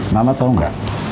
mama tau gak